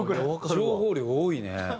情報量多いね。